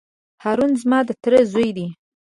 هارون زما د تره زوی دی.